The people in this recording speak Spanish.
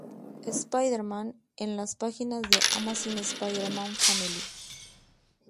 Spider-Man", en las páginas de "Amazing Spider-Man Family".